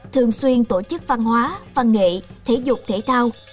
thường xuyên tổ chức văn hóa văn nghệ thể dục thể thao